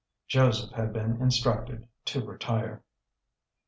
Joseph had been instructed to retire.